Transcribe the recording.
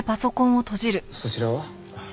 そちらは？